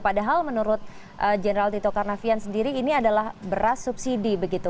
padahal menurut general tito karnavian sendiri ini adalah beras subsidi begitu